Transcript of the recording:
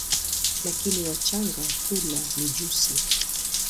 Lakini wachanga hula mijusi.